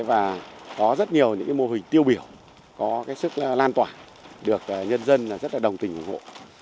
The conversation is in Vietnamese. và có rất nhiều những mô hình tiêu biểu có sức lan tỏa được nhân dân rất là đồng tình ủng hộ